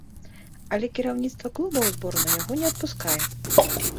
Але кіраўніцтва клуба ў зборную яго не адпускае.